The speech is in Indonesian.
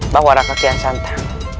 bahwa rakyat tianshanta